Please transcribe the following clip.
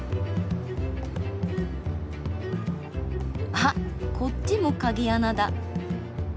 あっこっちも鍵穴だ。